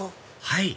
はい！